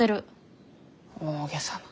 大げさな。